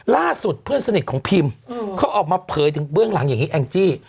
ล่าสุดเพื่อนสนิทของพิมเขาออกมาเผยถึงเบื้องหลังอย่างนี้แองจี้